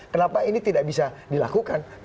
kenapa ini tidak bisa dilakukan